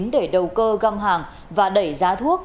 để đầu cơ găm hàng và đẩy giá thuốc